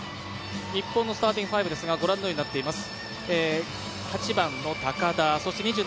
日本のスターティング５ですがこのようになっております。